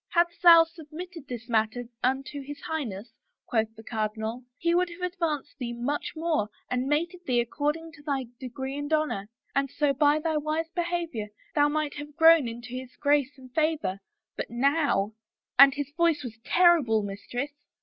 * Hadst thou submitted this matter unto his Highness,' quoth the cardinal, * he would have advanced thee much more and mated thee according to thy degree and honor, and so by thy wise behavior thou ;night have grown into his grace and favor. But now '— and his voice was terrible, mistress!